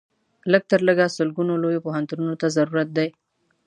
لږ تر لږه سلګونو لویو پوهنتونونو ته ضرورت دی.